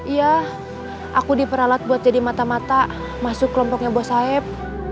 iya aku diperalat buat jadi mata mata masuk kelompoknya bos saib